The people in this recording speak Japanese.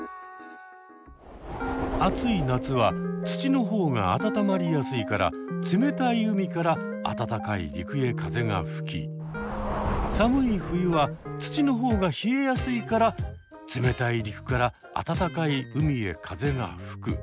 暑い夏は土の方が温まりやすいから冷たい海から暖かい陸へ風がふき寒い冬は土の方が冷えやすいから冷たい陸から暖かい海へ風がふく。